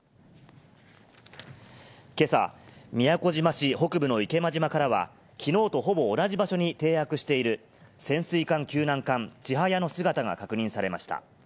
けさ、宮古島市北部の池間島からは、きのうとほぼ同じ場所に停泊している潜水艦救難艦ちはやの姿が確認されました。